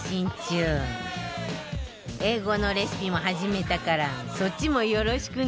英語のレシピも始めたからそっちもよろしくね